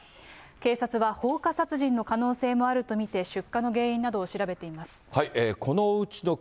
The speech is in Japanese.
警察は放火殺人の可能性もあると見て、出火の原因などを調べています。